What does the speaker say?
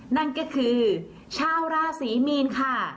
นั่นก็คือชาวราศรีมีนค่ะ